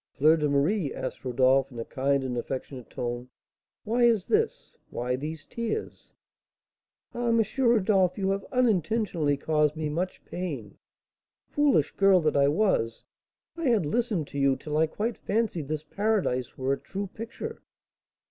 "Fleur de Marie," asked Rodolph, in a kind and affectionate tone, "why is this? Why these tears?" "Ah, M. Rodolph, you have unintentionally caused me much pain. Foolish girl that I was, I had listened to you till I quite fancied this paradise were a true picture."